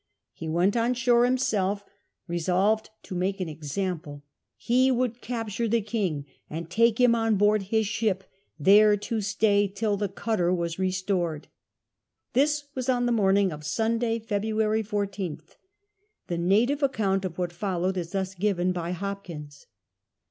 He went on shore himself, resolved to make an example. He would capture the king and take him on board his shi]), there to stay till the cutter was restored. This was on the morning of Sunday, February 14th. The native account of what followed is thus given by Hopkins.